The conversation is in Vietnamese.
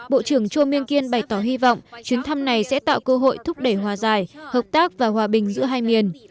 bộ trưởng chua myng kiên bày tỏ hy vọng chuyến thăm này sẽ tạo cơ hội thúc đẩy hòa giải hợp tác và hòa bình giữa hai miền